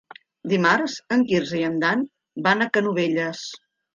Dimarts en Quirze i en Dan van a Canovelles.